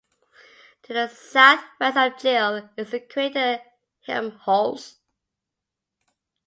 To the southwest of Gill is the crater Helmholtz.